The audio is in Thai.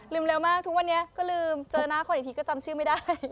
เร็วมากทุกวันนี้ก็ลืมเจอหน้าคนอีกทีก็จำชื่อไม่ได้